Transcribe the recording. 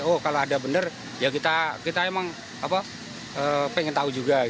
oh kalau ada benar ya kita emang pengen tahu juga